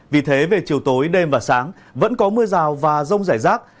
vì thế về chiều tối đêm và sáng vẫn có mưa rào và rông rải rác